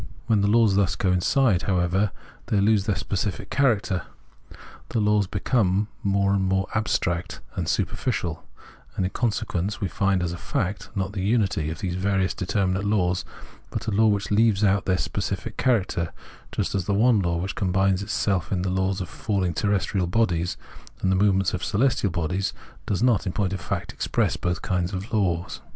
When the laws thus coincide, however, they lose their specific character. 144 Phenomenology of Mind The law becomes more and more abstract and super ficial, and in consequence we find as a fact, not the unity of these various determinate laws, but a law which leaves out their specific character; just as the one law, which combines in itself the laws of falhng terrestrial bodies, and of the movements of celestial bodies, does not, in point of fact, express both kinds of laws.